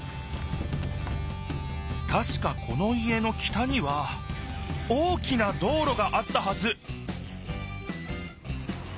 たしかこの家の北には大きな道ろがあったはず！